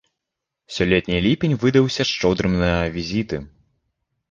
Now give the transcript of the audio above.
Сёлетні ліпень выдаўся шчодрым на візіты.